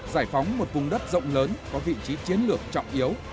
giải phóng một vùng đất rộng lớn có vị trí chiến lược trọng yếu